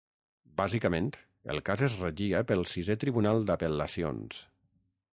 Bàsicament, el cas es regia pel sisè tribunal d'apel·lacions.